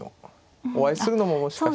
お会いするのももしかしたら。